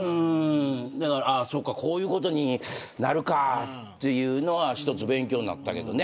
そうか、こういうことになるかというのは一つ勉強になったけどね。